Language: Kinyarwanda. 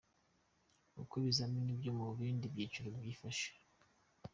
Uko ibizamini byo mu bind byiciro byifashe.